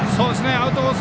アウトコース